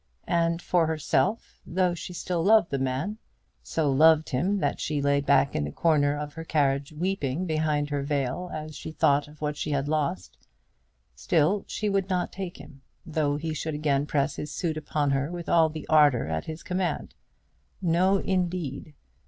And for herself, though she still loved the man, so loved him that she lay back in the corner of her carriage weeping behind her veil as she thought of what she had lost, still she would not take him, though he should again press his suit upon her with all the ardour at his command. No, indeed.